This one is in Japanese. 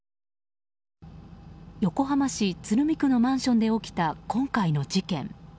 横浜市鶴見区のマンションで起きた今回の事件。